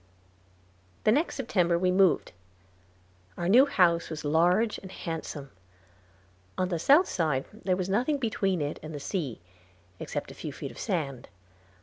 The next September we moved. Our new house was large and handsome. On the south side there was nothing between it and the sea, except a few feet of sand.